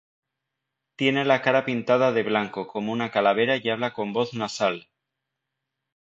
Tiene la cara pintada de blanco como una calavera y habla con voz nasal.